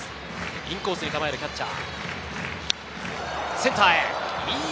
インコースに構えるキャッチャー。